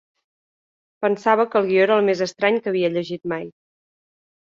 Pensava que el guió era el més estrany que havia llegit mai.